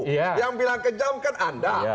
yang bilang kejam kan anda